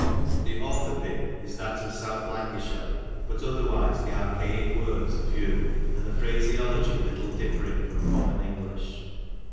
The orthoepy is that of South Lancashire, but otherwise the archaic words are few, and the phraseology little difiermg from common English.